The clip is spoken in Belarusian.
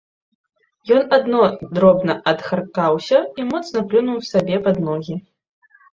Ён адно дробна адхаркаўся і моцна плюнуў сабе пад ногі.